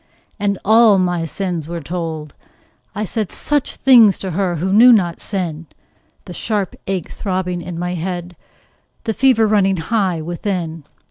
And all my sins were told; I said Such things to her who knew not sin The sharp ache throbbing in my head, The fever running high within.